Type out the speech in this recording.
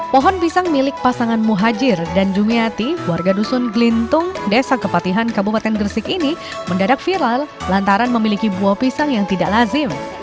pohon pisang milik pasangan muhajir dan jumiati warga dusun gelintung desa kepatihan kabupaten gresik ini mendadak viral lantaran memiliki buah pisang yang tidak lazim